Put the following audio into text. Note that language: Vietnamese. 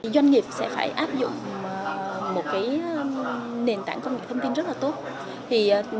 doanh nghiệp sẽ phải áp dụng một nền tảng công nghệ thông tin rất là tốt